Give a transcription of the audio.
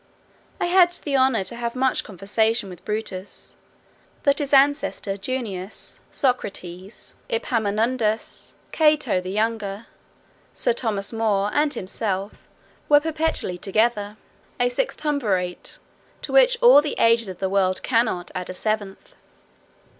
I had the honour to have much conversation with Brutus; and was told, "that his ancestor Junius, Socrates, Epaminondas, Cato the younger, Sir Thomas More, and himself were perpetually together:" a sextumvirate, to which all the ages of the world cannot add a seventh.